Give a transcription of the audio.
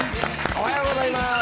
おはようございます。